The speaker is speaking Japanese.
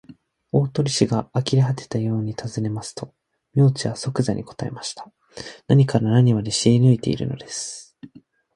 大鳥氏があきれはてたようにたずねますと、明智はそくざに答えました。何から何まで知りぬいているのです。